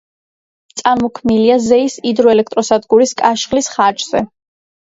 წარმოქმნილია ზეის ჰიდროელექტროსადგურის კაშხლის ხარჯზე.